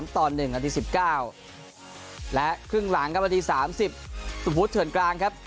๓ตอน๑หน้าที๑๙และครึ่งหลังครับหน้าที๓๐สมมุติเถิดกลางครับ